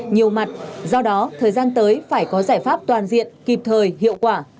nhiều mặt do đó thời gian tới phải có giải pháp toàn diện kịp thời hiệu quả